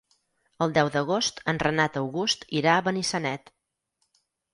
El deu d'agost en Renat August irà a Benissanet.